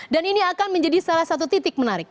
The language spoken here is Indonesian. dan ini akan menjadi salah satu titik menarik